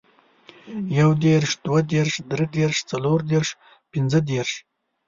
يو دېرش، دوه دېرش، دري دېرش ، څلور دېرش، پنځه دېرش،